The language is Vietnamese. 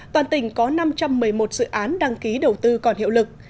toàn tỉnh có năm trăm một mươi một dự án đăng ký đầu tư còn hiệu lực